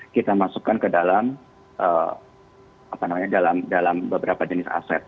kita masukkan ke dalam beberapa jenis aset